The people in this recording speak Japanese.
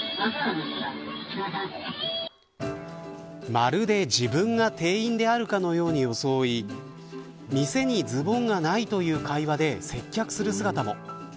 まるで自分が店員であるかのように装い店にズボンがないという会話で接客する姿も。